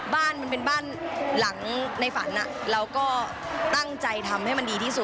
บ้านมันเป็นบ้านหลังในฝันเราก็ตั้งใจทำให้มันดีที่สุด